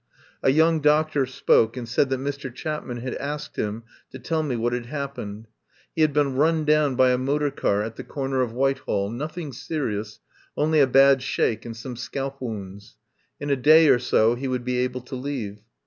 A young doctor spoke, and said that Mr. Chapman had asked him to tell me what had happened. He had been run down by a motor car at the corner of Whitehall — noth ing serious — only a bad shake and some scalp wounds. In a day or so he would be able to leave.